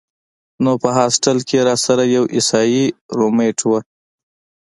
نو پۀ هاسټل کښې راسره يو عيسائي رومېټ وۀ